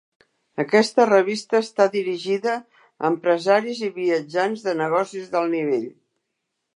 Aquesta revista està dirigida a empresaris i viatjants de negocis d'alt nivell.